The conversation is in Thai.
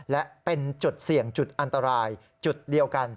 และเป็นจุดเสี่ยงจุดอันตรายจุดเดียวกัน